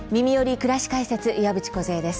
くらし解説」岩渕梢です。